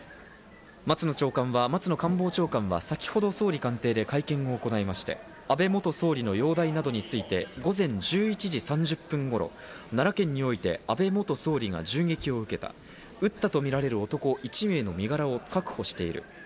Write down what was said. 松野官房長官は先ほど総理官邸で会見を行いまして、安倍元総理の容体などについて、午前１１時３０分頃、奈良県において安倍元総理が銃撃を受け、撃ったとみられる男１名の身柄を確保している。